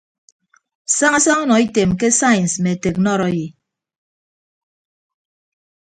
Saña saña ọnọ item ke sains mme teknọrọyi.